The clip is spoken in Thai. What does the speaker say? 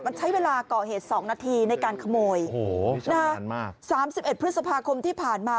มันใช้เวลาก่อเหตุ๒นาทีในการขโมยโอ้โหนานมากสามสิบเอ็ดพฤษภาคมที่ผ่านมา